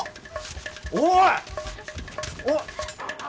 おい！